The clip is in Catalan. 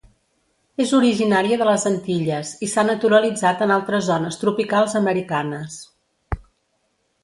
És originària de les Antilles i s'ha naturalitzat en altres zones tropicals americanes.